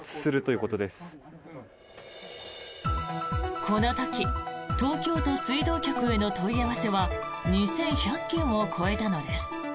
この時東京都水道局への問い合わせは２１００件を超えたのです。